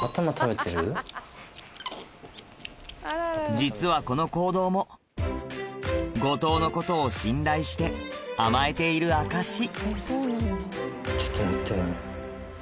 実はこの行動も後藤のことを信頼して甘えている証しちょっと待ってね。